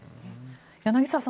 柳澤さん